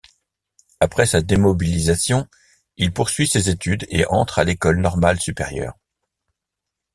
Après sa démobilisation, il poursuit ses études et entre à l'École normale supérieure.